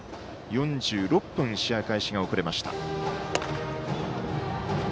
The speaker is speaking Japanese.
４６分、試合開始が遅れました。